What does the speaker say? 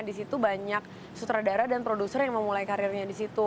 di situ banyak sutradara dan produser yang memulai karirnya di situ